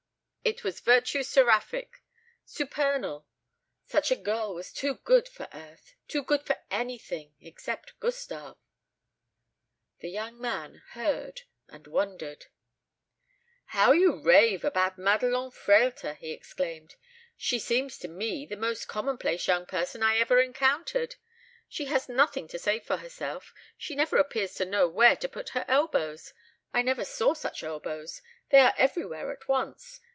It was virtue seraphic, supernal. Such a girl was too good for earth too good for anything except Gustave. The young man heard and wondered. "How you rave about Madelon Frehlter!" he exclaimed. "She seems to me the most commonplace young person I ever encountered. She has nothing to say for herself; she never appears to know where to put her elbows. I never saw such elbows; they are everywhere at once.